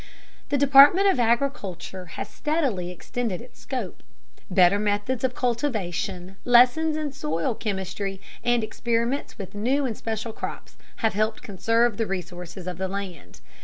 The Department of Agriculture has steadily extended its scope. Better methods of cultivation, lessons in soil chemistry, and experiments with new and special crops have helped conserve the resources of the land.